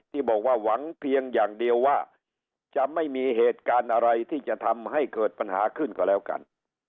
ที่บอกว่าหวังเพียงอย่างเดียวว่าจะไม่มีเหตุการณ์อะไรที่จะทำให้เกิดปัญหาขึ้นก็แล้วกัน